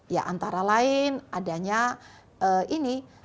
ya antara lain adanya ini